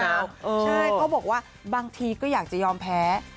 ใช่เขาบอกว่าบางทีก็อยากจะยอมแพ้